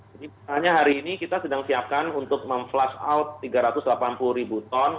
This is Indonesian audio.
jadi misalnya hari ini kita sedang siapkan untuk memflush out tiga ratus delapan puluh ribu ton